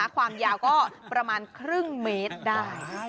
ความยาวก็ประมาณครึ่งเมตรได้